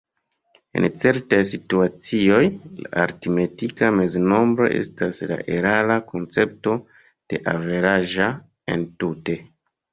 En certaj situacioj, la aritmetika meznombro estas la erara koncepto de "averaĝa" entute.